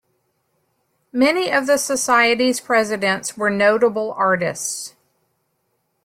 Many of the Society's presidents were notable artists.